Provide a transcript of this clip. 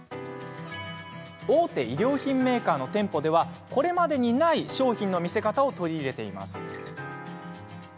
大手衣料品メーカーの店舗ではこれまでにない商品の見せ方を取り入れています。